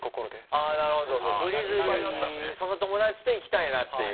あなるほどグリズリーその友達と行きたいなっていう。